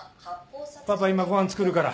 パパ今ご飯作るから。